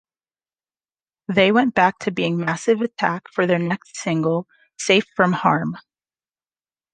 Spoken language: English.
They went back to being "Massive Attack" for their next single, "Safe from Harm".